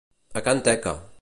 A can Teca.